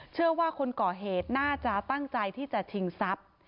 เชื่อว่าคนก่อเหตุน่าจะตั้งใจที่จะชิงทรัพย์